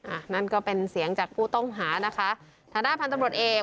อ่ะนั่นก็เป็นเสียงจากผู้ต้องหานะคะฐานะพันธุปรุดเอก